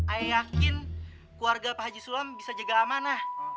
ayah yakin keluarga pak haji sulam bisa jaga amanah